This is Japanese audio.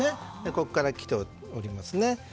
ここからきております。